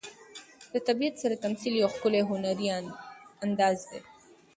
د طبیعت سره تمثیل یو ښکلی هنري انداز دی.